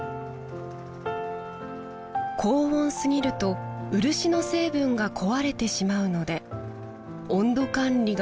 高温すぎると漆の成分が壊れてしまうので温度管理が何よりも大切です